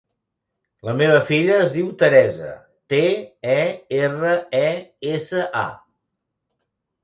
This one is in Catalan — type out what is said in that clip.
La meva filla es diu Teresa: te, e, erra, e, essa, a.